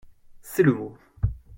C’est le mot.